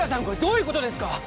これどういうことですか